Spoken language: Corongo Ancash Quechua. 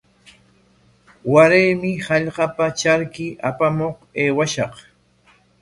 Waraymi hallqapa charki apamuq aywashaq.